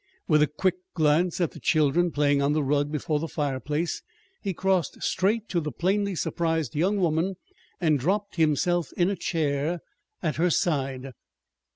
With a quick glance at the children playing on the rug before the fireplace, he crossed straight to the plainly surprised young woman and dropped himself in a chair at her side.